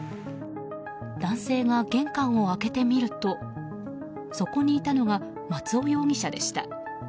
男性が玄関を開けてみるとそこにいたのが松尾容疑者でした。